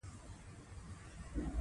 کورنۍ هګۍ تر بازاري هګیو ډیرې ګټورې دي.